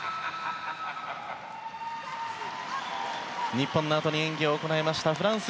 日本のあとに演技を行いました、フランス。